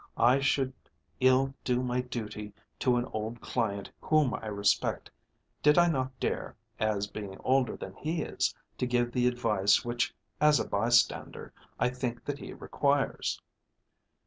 I should ill do my duty to an old client whom I respect did I not dare, as being older than he is, to give the advice which as a bystander I think that he requires."